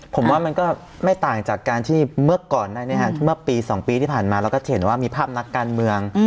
ผมว่ามันก็ไม่ต่างจากการที่เมื่อก่อนเมื่อปี๒ปีที่ผ่านมาเราก็เห็นว่ามีภาพนักการเมือง